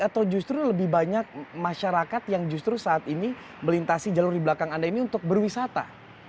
atau justru lebih banyak masyarakat yang justru saat ini melintasi jalur di belakang anda ini untuk berwisata